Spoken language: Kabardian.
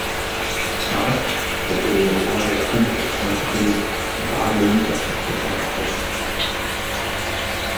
Ар адрей къуаргъхэм зэхахри бажэм къелъэтылӀахэщ.